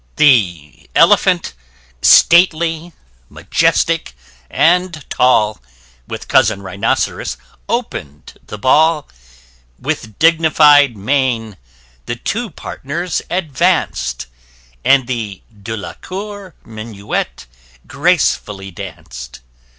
p. 11._] The Elephant, stately, majestic and tall, [p 11] With Cousin Rhinoceros open'd the ball With dignified mien the two partners advanc'd, And the De la Cour minuet gracefully danc'd.